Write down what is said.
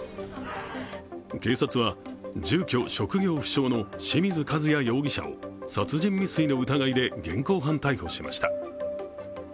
警察は、住居・職業不詳の清水和也容疑者を殺人未遂の疑いで現行犯逮捕しました。